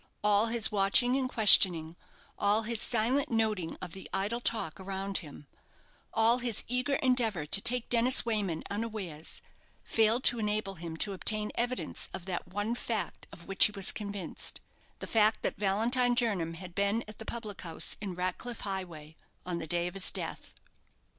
All his watching and questioning all his silent noting of the idle talk around him all his eager endeavour to take Dennis Wayman unawares, failed to enable him to obtain evidence of that one fact of which he was convinced the fact that Valentine Jernam had been at the public house in Ratcliff Highway on the day of his death.